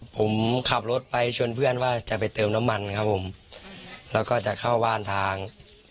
ผมขับรถไปชวนเพื่อนว่าจะไปเติมน้ำมันครับผมแล้วก็จะเข้าบ้านทาง